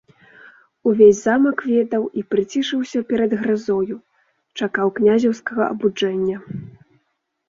Увесь замак ведаў і прыцішыўся перад гразою, чакаў князеўскага абуджэння.